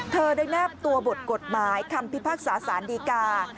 เธอได้แนบตัวบทกฎหมายคำพิพากษาสารดีกา